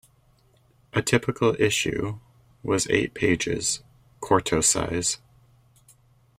A typical issue was eight pages, quarto size.